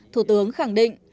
thủ tướng khẳng định